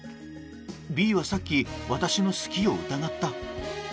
Ｂはさっき私の好きを疑った。